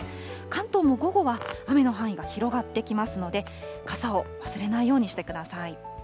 関東も午後は雨の範囲が広がってきますので、傘を忘れないようにしてください。